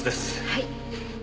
はい。